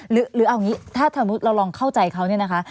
หรือเอาอย่างนี้ถ้าสมมุติเราลองเข้าใจเขาเนี่ยนะคะ